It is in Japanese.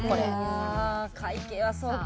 ああ会計はそうか。